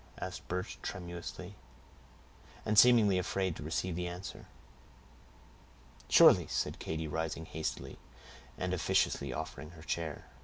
asked Birch, tremulously, and seemingly afraid to receive the answer. "Surely," said Katy, rising hastily, and officiously offering her chair.